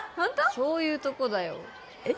そういうとこだよえっ？